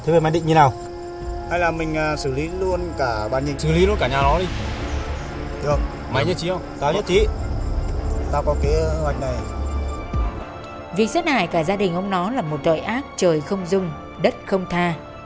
việc sát hại cả gia đình ông nó là một tội ác trời không dung đất không tha